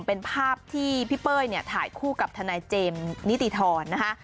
เป็นภาพที่พี่เป้ยเนี่ยถ่ายคู่กับทนายเจมส์นิติธรนะคะ